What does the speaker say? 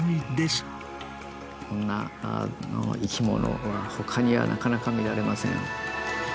こんな生きものはほかにはなかなか見られません。